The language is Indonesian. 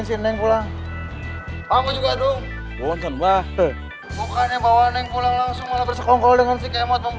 hasilnya bahwa ingatlah aja lagi